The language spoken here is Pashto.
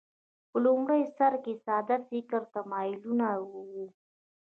په لومړي سر کې ساده فکري تمایلونه وو